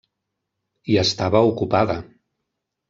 I estava ocupada.